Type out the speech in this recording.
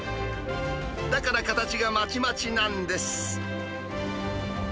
だから、形がまちまちなんです。